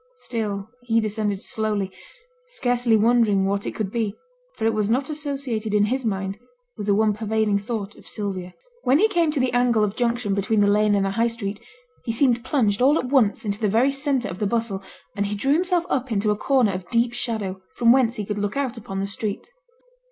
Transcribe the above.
Still he descended slowly, scarcely wondering what it could be, for it was not associated in his mind with the one pervading thought of Sylvia. When he came to the angle of junction between the lane and the High Street, he seemed plunged all at once into the very centre of the bustle, and he drew himself up into a corner of deep shadow, from whence he could look out upon the street.